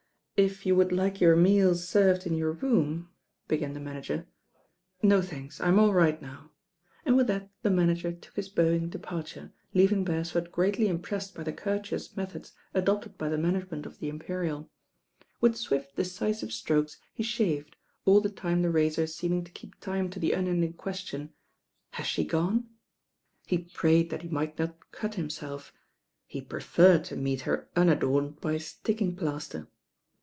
, "If you would like your meals served in your room " began the manager. "No, thanks, I'm all right now," and with that the manager took his bowing departure, leaving Beresford greatly impressed by the courteous meth< ods adopted by the management of the Imperial. With swift decisive strokes he shaved, all the time the razor seeming to keep time to the unending question, "Has she gone?" He prayed that he might not cue himself. He preferred to meet her unadorned by sticking plaster.